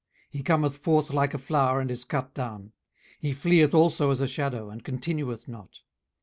18:014:002 He cometh forth like a flower, and is cut down: he fleeth also as a shadow, and continueth not.